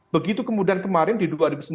begitu kemudian kemarin didukung